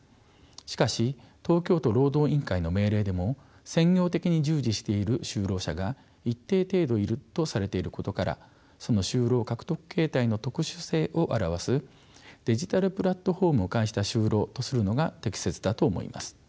しかし東京都労働委員会の命令でも専業的に従事している就労者が一定程度いるとされていることからその就労獲得形態の特殊性を表す「デジタルプラットフォームを介した就労」とするのが適切だと思います。